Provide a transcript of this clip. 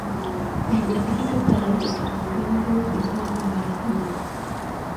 Con muchas dificultades, los barcos pueden introducirse dentro de la laguna.